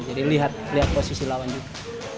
jadi lihat posisi lawan juga